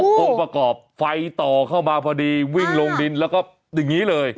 องค์ประกอบไฟต่อเข้ามาพอดีวิ่งลงดินแล้วก็อย่างนี้เลย